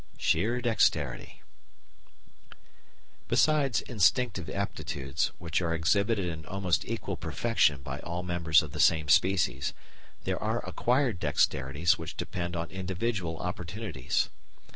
Sheer Dexterity Besides instinctive aptitudes, which are exhibited in almost equal perfection by all the members of the same species, there are acquired dexterities which depend on individual opportunities.